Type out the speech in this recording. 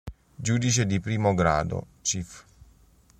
Giudice di Primo Grado, cfr.